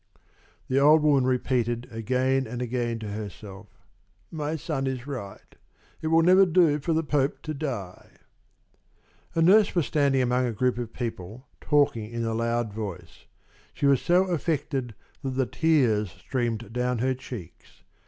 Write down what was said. The old woman repeated again and again to herself: "My son is right. It will never do for the Pope to die." A nurse was standing among a group of people, talking in a loud voice. She was so affected that the tears streamed down her cheeks.